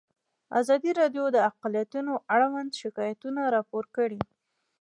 ازادي راډیو د اقلیتونه اړوند شکایتونه راپور کړي.